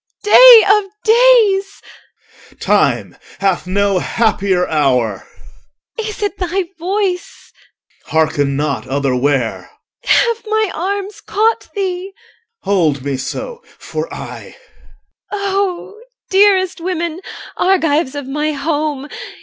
EL. O day of days! OR. Time hath no happier hour. EL. Is it thy voice? OR. Hearken not otherwhere. EL. Have my arms caught thee? OR. Hold me so for aye! EL. O dearest women, Argives of my home!